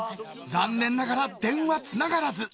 残念ながら電話つながらず。